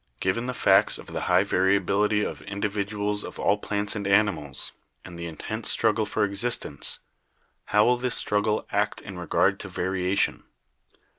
Given the facts of the high variability of indi viduals of all plants and animals, and the intense struggle for existence, how will this struggle act in regard to variation?